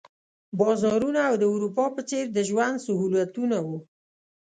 بازارونه او د اروپا په څېر د ژوند سهولتونه وو.